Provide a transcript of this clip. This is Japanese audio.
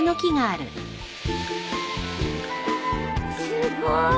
すごい。